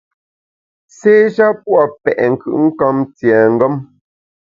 Sé sha pua’ petnkùtnkamtiengem.